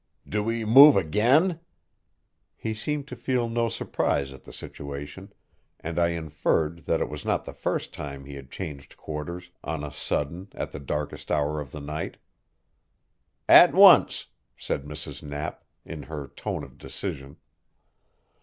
"Do we move again?" He seemed to feel no surprise at the situation, and I inferred that it was not the first time he had changed quarters on a sudden at the darkest hour of the night. "At once," said Mrs. Knapp, in her tone of decision.